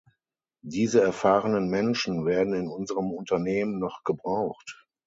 Diese erfahrenen Menschen werden in unseren Unternehmen noch gebraucht.